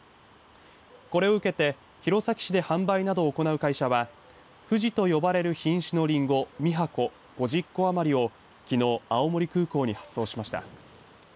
これを受けて弘前市で販売などを行う会社はふじと呼ばれる品種のりんご２箱５０個余りをきのう青森空港に発送しました。